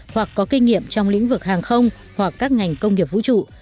hoặc có kinh nghiệm trong lĩnh vực hàng không hoặc các ngành công nghiệp vũ trụ